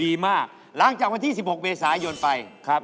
เพราะว่ารายการหาคู่ของเราเป็นรายการแรกนะครับ